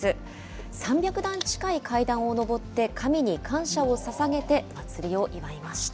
３００段近い階段を上って、神に感謝をささげて、祭りを祝いました。